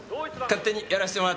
勝手にやらせてもらってるよ。